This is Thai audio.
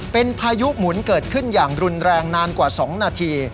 เป็นพายุหมุนเกิดขึ้นอย่างรุนแรงนานกว่า๒นาที